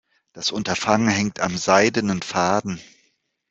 Das Unterfangen hängt am seidenen Faden.